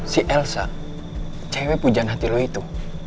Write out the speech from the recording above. si elsa cewek pujaan hati lo itu